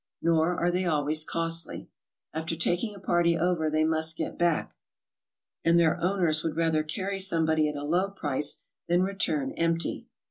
Nor are they always costly. After taking a party over they must get back, and their owners would rather carry somebody at a low price than return empty.